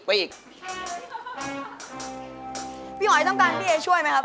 พี่หอยทำการพี่เอช่วยไหมครับ